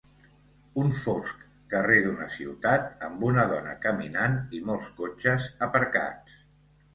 Un fosc carrer d'una ciutat amb una dona caminant i molts cotxes aparcats.